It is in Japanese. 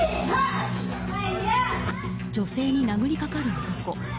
女性に殴りかかる男。